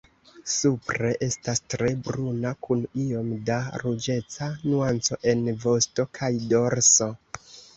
Supre estas tre bruna kun iom da ruĝeca nuanco en vosto kaj dorso.